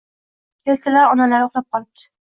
Kelsalar, onalari uxlab qolibdi